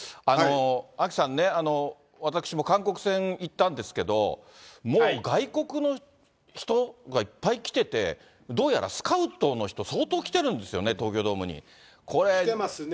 アキさんね、私も韓国戦、行ったんですけど、もう外国の人がいっぱい来てて、どうやらスカウトの人、相当来てるんですよね、東京ドームに。来てますね。